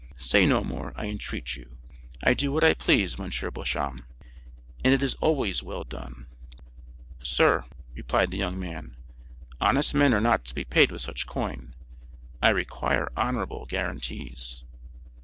Say no more, I entreat you. I do what I please, M. Beauchamp, and it is always well done." "Sir," replied the young man, "honest men are not to be paid with such coin. I require honorable guaranties."